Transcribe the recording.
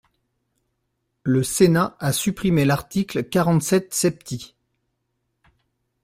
Le Sénat a supprimé l’article quarante-sept septies.